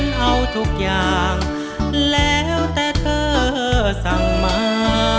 เอาทุกอย่างแล้วแต่เธอสั่งมา